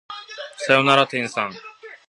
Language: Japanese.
さよなら天さん